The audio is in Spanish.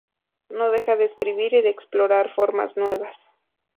No deja de escribir y de explorar formas nuevas.